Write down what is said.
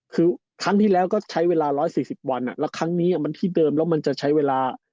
คือครั้งที่แล้วก็ใช้เวลา๑๔๐วันแล้วครั้งนี้มันที่เดิมแล้วมันจะใช้เวลา